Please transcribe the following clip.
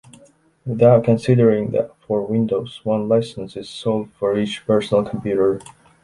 Without considering that for Windows one license is sold for each personal computer.